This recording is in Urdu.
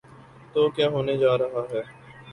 تو کیا ہونے جا رہا ہے؟